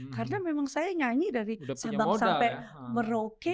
karena memang saya nyanyi dari sabang sampai merauke